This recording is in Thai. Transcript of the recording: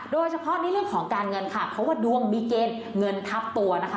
โดยเฉพาะในเรื่องของการเงินค่ะเพราะว่าดวงมีเกณฑ์เงินทับตัวนะคะ